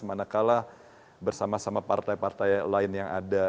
manakala bersama sama partai partai lain yang ada